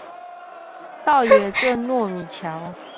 道爺圳糯米橋